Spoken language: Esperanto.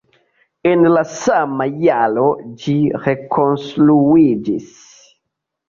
En la sama jaro ĝi rekonstruiĝis.